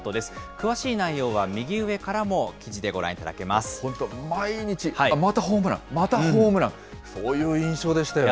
詳しい内容は右上からも記事でご本当、毎日、あっ、またホームラン、またホームラン、こういう印象でしたよね。